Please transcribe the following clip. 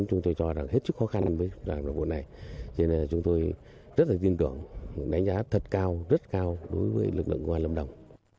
cho nên là chúng tôi rất là tin tưởng đánh giá thật cao rất cao đối với lực lượng công an lâm đồng